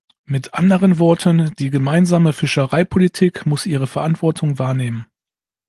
Mit anderen Worten, die gemeinsame Fischereipolitik muss ihre Verantwortung wahrnehmen.